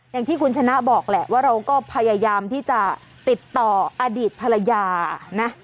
อย่างที่คุณชนะบอกแหละว่าเราก็พยายามที่จะติดต่ออดีตภรรยานะ